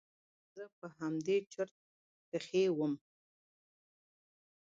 زه په همدې چورت کښې وم.